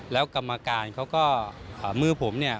แล้วกรรมการเขาก็มือผมเนี่ย